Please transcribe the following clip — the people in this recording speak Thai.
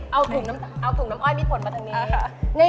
เอาถุงน้ำอ้อยมีผลมาทางนี้